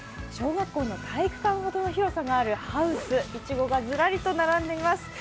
小学校の体育館ほどの広さがあるハウス、いちごがずらりと並んでいます。